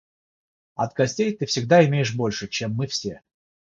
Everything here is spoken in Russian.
От гостей ты всегда имеешь больше, чем мы все